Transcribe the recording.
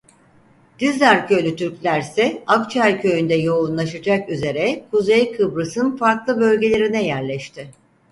Dizdarköylü Türklerse Akçay köyünde yoğunlaşacak üzere Kuzey Kıbrıs'ın farklı bölgelerine yerleşti.